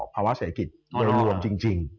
ภาวะเศรษฐกิจโดยรวมจริง